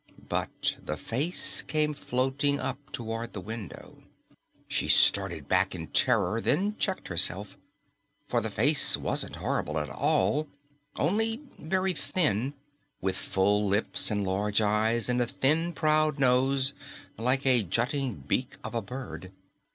But the face came floating up toward the window. She started back in terror, then checked herself. For the face wasn't horrible at all, only very thin, with full lips and large eyes and a thin proud nose like the jutting beak of a bird.